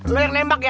lu yang nembak ya